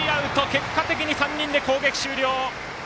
結果的に３人で攻撃終了。